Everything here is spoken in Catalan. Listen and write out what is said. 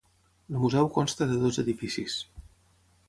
El museu consta de dos edificis.